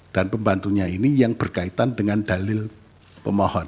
dan pembantunya ini yang berkaitan dengan dalil pemohon